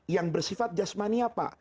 yang bersifat jasmani apa